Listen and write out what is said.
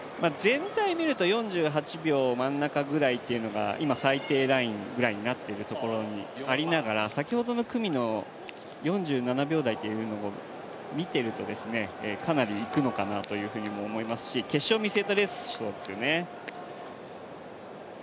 全体見ると４８秒真ん中ぐらいっていうのが今、最低ラインぐらいになってるところがありながら先ほどの組の４７秒台というのを見ていると、かなりいくのかなとも思いますし、決勝を見据えたレースをしそうですよね。